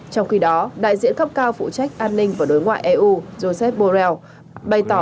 trong khi đó đại diện cấp cao phụ trách an ninh và đối ngoại eu joseph borrell bày tỏ